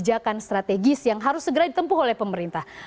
kebijakan strategis yang harus segera ditempuh oleh pemerintah